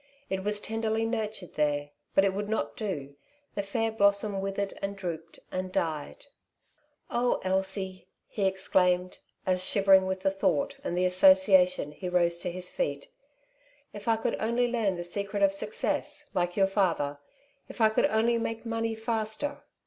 It was tenderly nurtured there, but it would not do — the fair blossoin withered, and drooped, and died I " Oh, Elsie I ^' he exclaimed, as shivering with k The Home of Wealth. 25 the thought and the association he rose to his feet, ''if I could only learn the secret of success, like your father — if I could only make money faster